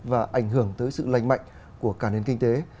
và ảnh hưởng tới sự lành mạnh của cả nền kinh tế